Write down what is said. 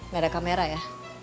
gak ada kamera ya